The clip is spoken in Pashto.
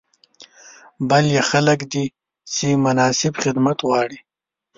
بل یې خلک دي چې مناسب خدمتونه غواړي.